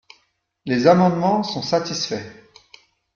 Les amendements sont satisfaits.